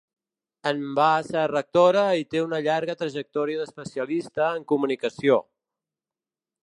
En va ser rectora i té una llarga trajectòria d’especialista en comunicació.